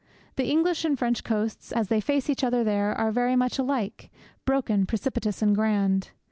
The English and French coasts, as they face each other there, are very much alike broken, precipitous, and grand.